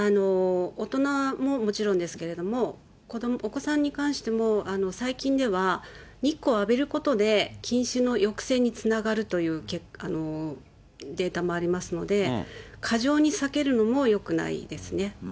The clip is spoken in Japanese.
大人ももちろんですけれども、お子さんに関しても、最近では、日光を浴びることで、近視の抑制につながるというデータもありますので、過剰に避けるのもよくないですね。